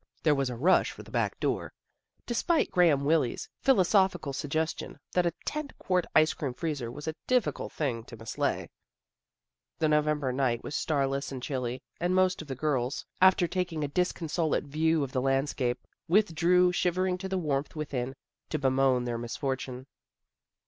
There was a rush for the back door, despite Graham Wylie's philosophical suggestion that a ten quart ice cream freezer was a difficult thing to mislay. The November night was starless and chilly, and most of the girls, after 110 THE GIRLS OF FRIENDLY TERRACE taking a disconsolate view of the landscape, withdrew shivering to the warmth within, to bemoan their misfortune.